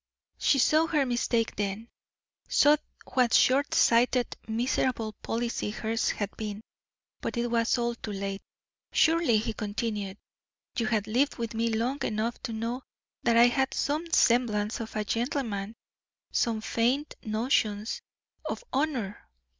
She saw her mistake then; saw what short sighted, miserable policy hers had been; but it was all too late. "Surely," he continued, "you had lived with me long enough to know that I had some semblance of a gentleman, some faint notions of honor.